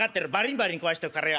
バリン壊しておくからよ。